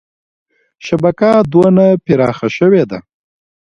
شبکه دونه پراخه شوې ده.